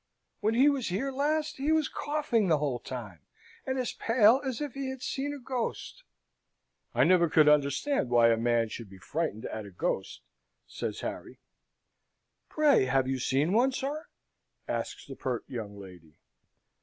When he was here last he was coughing the whole time, and as pale as if he had seen a ghost." "I never could understand why a man should be frightened at a ghost," says Harry. "Pray, have you seen one, sir?" asks the pert young lady.